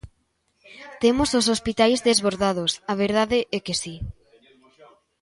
Temos os hospitais desbordados, a verdade é que si.